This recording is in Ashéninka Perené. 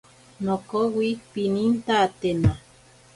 Nokowi pinintatena.